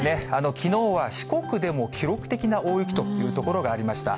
きのうは四国でも記録的な大雪という所がありました。